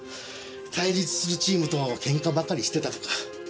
対立するチームとケンカばかりしてたとか。